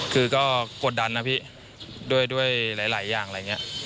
คือก็กดดันนะพี่ด้วยหลายอย่างอะไรอย่างนี้